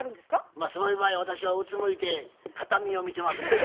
まあそういう場合私はうつむいて畳を見てますけれどもね。